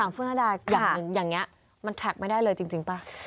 ถามฟื้นอดาอย่างนี้มันแทรกไม่ได้เลยจริงป่ะ